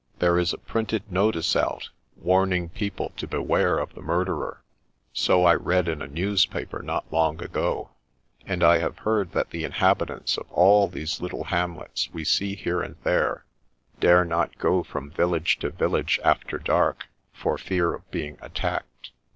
There is a printed notice out, warning people to beware of the murderer — ^so I read in a newspaper not long ago ; and I have heard that the inhabitants of all these little hamlets we see here and there, dare not go from village to village after dark, for fear of being attacked."